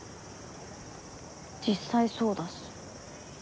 実際そうだし。